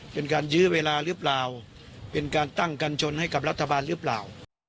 ยื้อเวลาหรือเปล่าเป็นการตั้งกัญชนให้กับรัฐบาลหรือเปล่า